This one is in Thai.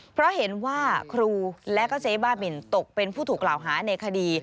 เพราะเห็นว่าครูและก็เจ๊บ้าบินตกเป็นผู้ถูกกล่าวหาในคดี